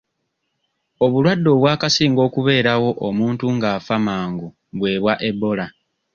Obulwadde obwakasinga okubeerawo omuntu ng'afa mangu bwe bwa Ebola.